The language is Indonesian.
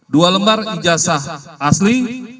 dua lembar ijazah asli